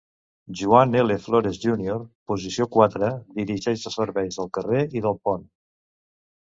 Juan L Flores Junior, posició quatre, dirigeix els serveis del carrer i del pont.